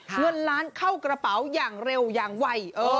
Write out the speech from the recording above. เงินล้านเข้ากระเป๋าอย่างเร็วอย่างไว